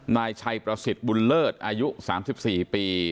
นายชัยประสิทธิ์บุญเลิศอายุ๓๔ปี